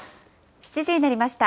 ７時になりました。